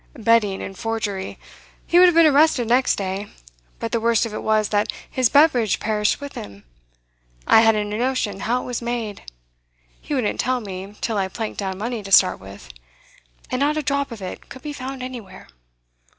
'Betting and forgery. He would have been arrested next day. But the worst of it was that his beverage perished with him. I hadn't a notion how it was made; he wouldn't tell me till I planked down money to start with; and not a drop of it could be found anywhere.